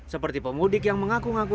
seperti pemudik yang mengaku ngaku